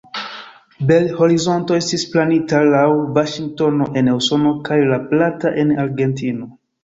Bel-Horizonto estis planita laŭ Vaŝingtono en Usono kaj La Plata en Argentino.